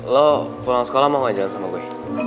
lo pulang sekolah mau ngajarin sama gue